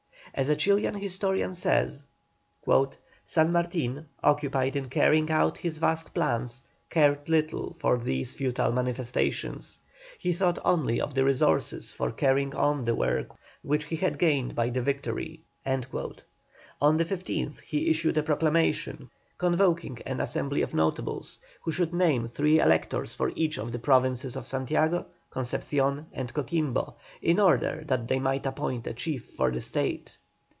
As a Chilian historian says: "San Martin, occupied in carrying out his vast plans, cared little for these futile manifestations. He thought only of the resources for carrying on the work which he had gained by the victory." On the 15th he issued a proclamation convoking an assembly of notables, who should name three electors for each of the provinces of Santiago, Concepcion, and Coquimbo, in order that they might appoint a chief for the State.